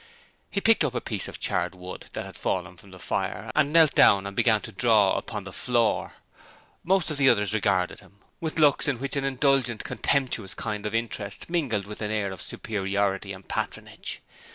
He picked up a piece of charred wood that had fallen from the fire and knelt down and began to draw upon the floor. Most of the others regarded him, with looks in which an indulgent, contemptuous kind of interest mingled with an air of superiority and patronage.